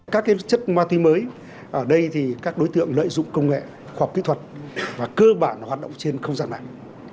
các chất ma túy mới ở đây thì các đối tượng lợi dụng công nghệ khoa học kỹ thuật và cơ bản hoạt động trên không gian mạng